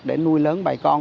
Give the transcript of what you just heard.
để nuôi lớn bài con